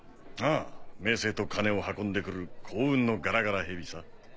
ああ名声と金を運んで来る幸運のガラガラ蛇さ。